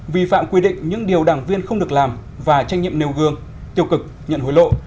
vi phạm quy định những điều đảng viên không được làm và tranh nhiệm nêu gương tiêu cực nhận hối lộ